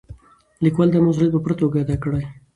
لیکوال دا مسؤلیت په پوره توګه ادا کړی.